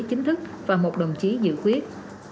chính thức và một đồng chí dự quyết